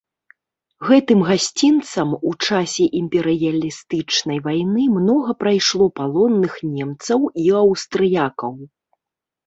Гэтым гасцінцам у часе імперыялістычнай вайны многа прайшло палонных немцаў і аўстрыякаў.